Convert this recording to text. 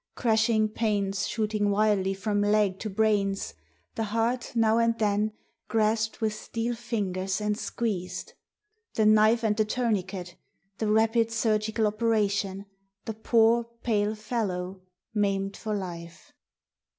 Crashing pains shooting wildly from leg to brains the heart now and then grasped with steel fingers and squeezed... The knife and the tourniquet, the rapid surgical operation: the poor, pale fellow maimed for life.